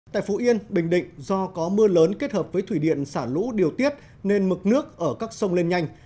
tại phú yên bình định do có mưa lớn kết hợp với thủy điện xả lũ điều tiết nên mực nước ở các sông lên nhanh